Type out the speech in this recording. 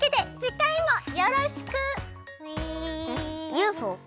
ＵＦＯ？